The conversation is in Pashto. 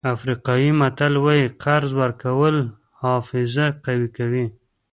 افریقایي متل وایي قرض ورکول حافظه قوي کوي.